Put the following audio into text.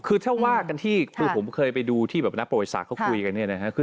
คือถ้าว่ากันที่ผมเคยไปดูนักประวัติศาสตร์เค้าคุยกัน